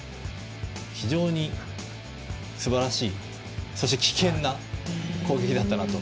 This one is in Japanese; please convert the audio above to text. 非常にすばらしいそして危険な攻撃だったなと。